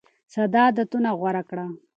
ساده عادتونه غوره کړه.